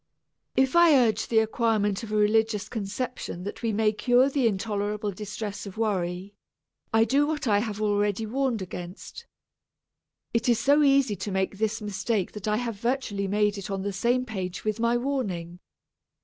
If I urge the acquirement of a religious conception that we may cure the intolerable distress of worry, I do what I have already warned against. It is so easy to make this mistake that I have virtually made it on the same page with my warning.